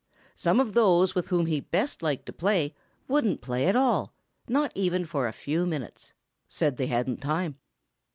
Some of those with whom he best liked to play wouldn't play at all, not even for a few minutes; said they hadn't time.